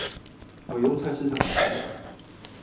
我用菜市場理財法